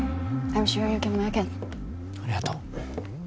ありがとう